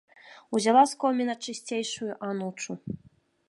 Узяла з коміна чысцейшую анучу.